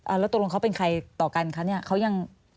แล้วตกลงเขาเป็นใครต่อกันคะเนี่ยเขายัง